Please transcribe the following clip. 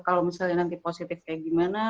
kalau misalnya nanti positif kayak gimana